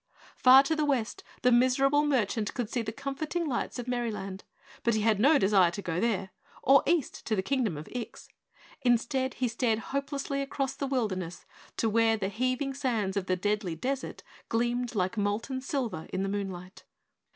Far to the west the miserable merchant could see the comforting lights of Merryland, but he had no desire to go there or east to the Kingdom of Ix. Instead, he stared hopelessly across the wilderness to where the heaving sands of the Deadly Desert gleamed like molten silver in the moonlight.